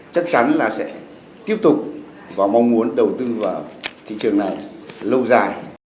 chắc chắn là sẽ tiếp tục và mong muốn đầu tư vào thị trường này lâu dài